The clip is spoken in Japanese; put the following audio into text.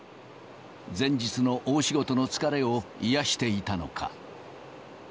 前日の大仕事の疲れを癒やしていたのか。